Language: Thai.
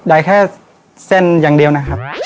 ได้แค่เส้นอย่างเดียวนะครับ